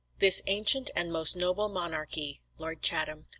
"This ancient and most noble monarchy" [Lord Chatham.